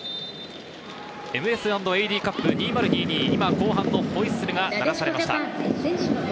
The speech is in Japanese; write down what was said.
カップ２０２２、後半のホイッスルが鳴らされました。